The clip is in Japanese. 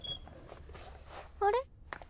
あれ？